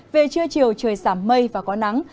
về trưa chiều trời giảm mây và có nắng